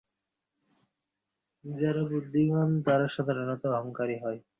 যারা বুদ্ধিমান, তারা সাধারণত অহঙ্কারী হয়।